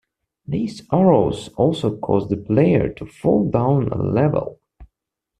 These arrows also cause the player to fall down a level.